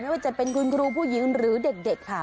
ว่าจะเป็นคุณครูผู้หญิงหรือเด็กค่ะ